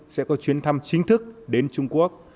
sẽ có chuyến thăm chính thức đến trung quốc